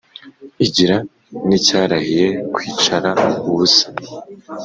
igira n’icyarahiye kwicara ubusa,